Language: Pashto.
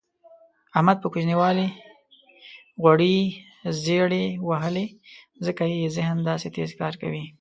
احمد په کوچینوالي غوړې زېړې وهلي ځکه یې ذهن داسې تېز کار کوي.